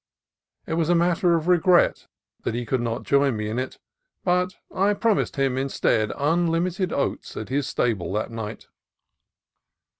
It was a matter of regret that he could not join me in it, but I promised him instead un limited oats at his stable that night.